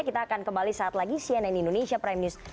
kita akan kembali saat lagi cnn indonesia prime news